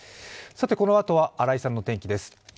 このあとは新井さんの天気です。